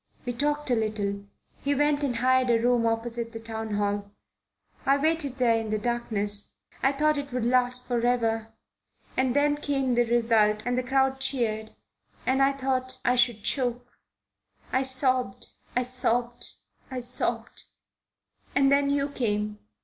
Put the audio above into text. We talked a little. He went and hired a room opposite the Town Hall. I waited there in the darkness. I thought it would last forever. And then came the result and the crowd cheered and I thought I should choke. I sobbed, I sobbed, I sobbed and then you came.